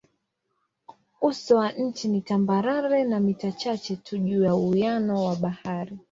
Uso wa nchi ni tambarare na mita chache tu juu ya uwiano wa bahari.